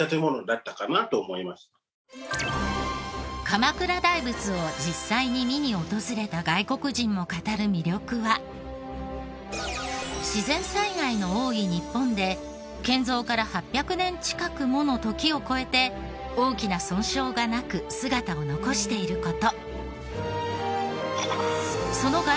鎌倉大仏を実際に見に訪れた外国人の語る魅力は自然災害の多い日本で建造から８００年近くもの時を超えて大きな損傷がなく姿を残している事。